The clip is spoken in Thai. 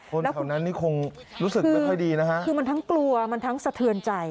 คนแถวนั้นนี่คงรู้สึกไม่ค่อยดีนะฮะคือมันทั้งกลัวมันทั้งสะเทือนใจ